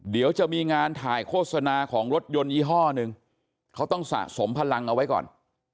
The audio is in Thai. เดี๋ยวจะมีงานถ่ายโฆษณาของรถยนต์ยี่ห้อหนึ่งเขาต้องสะสมพลังเอาไว้ก่อน